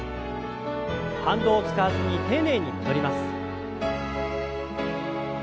反動を使わずに丁寧に戻ります。